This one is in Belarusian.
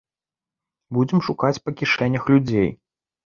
Будзем шукаць па кішэнях людзей.